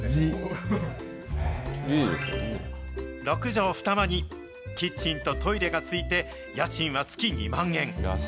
６畳二間にキッチンとトイレが付いて、家賃は月２万円。